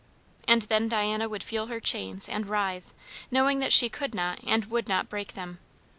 And then Diana would feel her chains, and writhe, knowing that she could not and would not break them.